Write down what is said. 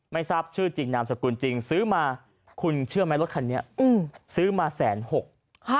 ทราบชื่อจริงนามสกุลจริงซื้อมาคุณเชื่อไหมรถคันนี้อืมซื้อมาแสนหก